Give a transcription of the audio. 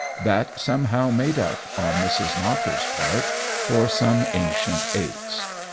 That somehow made up, on Mrs. Knocker's part, for some ancient aches.